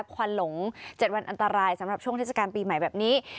ควันหลง๗วันอันตรายสำหรับช่วงเทศกาลปีใหม่แบบนี้